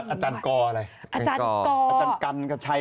อาจารย์กออะไร